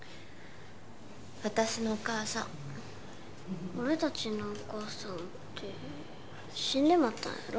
私のお母さん俺達のお母さんって死んでまったんやろ？